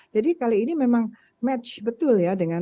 jadi kali ini memang match betul ya